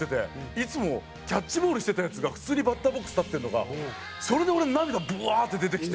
いつもキャッチボールしてたヤツが普通にバッターボックス立ってるのがそれで俺涙ブワーッて出てきて。